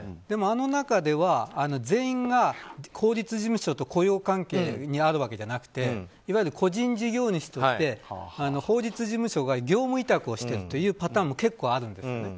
でも、あの中では全員が法律事務所と雇用関係にあるわけじゃなくていわゆる個人事業主といって法律事務所が業務委託しているパターンも結構あるんです。